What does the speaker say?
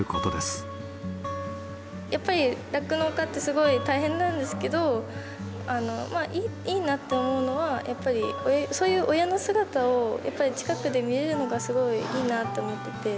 やっぱり酪農家ってすごい大変なんですけどいいなって思うのはやっぱりそういう親の姿を近くで見れるのがすごいいいなって思ってて。